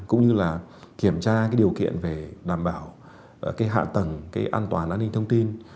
cũng như kiểm tra điều kiện về đảm bảo hạ tầng an toàn an ninh thông tin